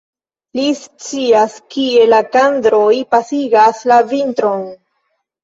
Li scias, kie la kankroj pasigas la vintron.